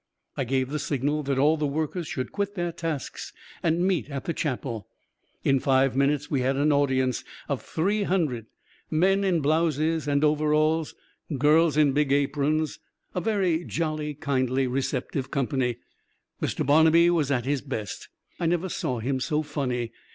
I gave the signal that all the workers should quit their tasks and meet at the Chapel. In five minutes we had an audience of three hundred men in blouses and overalls, girls in big aprons a very jolly, kindly, receptive company. Mr. Barnabee was at his best I never saw him so funny.